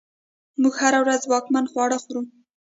موږ هره ورځ ځواکمن خواړه خورو.